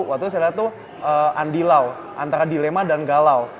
waktu itu saya lihat tuh andi lau antara dilema dan galau